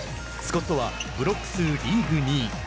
スコットはブロック数リーグ２位。